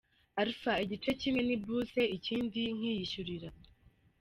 Alpha : Igice kimwe ni bourse ikindi nkiyishyurira.